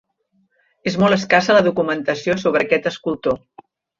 És molt escassa la documentació sobre aquest escultor.